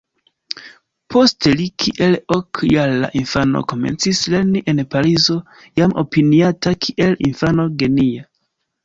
Poste li kiel ok-jara infano komencis lerni en Parizo jam opiniata kiel infano genia.